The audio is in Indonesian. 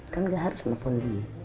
kan gak harus menelepon dia